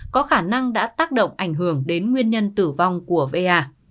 có khả năng đã tác động ảnh hưởng đến nguyên nhân tử vong của va